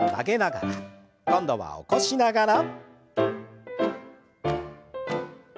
今度は起こしながら。